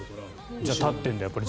じゃあ立ってるんだ。